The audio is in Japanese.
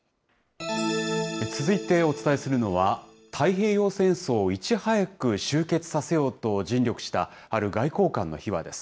続いてお伝えするのは、太平洋戦争をいち早く終結させようと尽力した、ある外交官の秘話です。